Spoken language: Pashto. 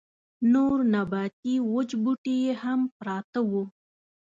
نور نباتي وچ بوټي يې هم پراته وو.